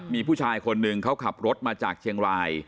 มีผู้ชายคนหนึ่งเขาขับรถมาจากเชียงราย